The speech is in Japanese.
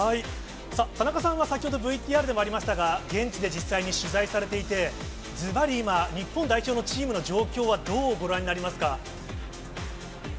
さあ、田中さんは先ほど、ＶＴＲでもありましたが、現地で実際に取材されていて、ずばり今、日本代表のチームの状況はどうご覧になりますか。